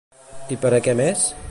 I per a què més?